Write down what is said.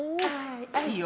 いいよ。